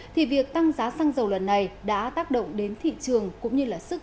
thì việc tăng giá xăng dầu lần này đã tác động đến thị trường cũng như là sức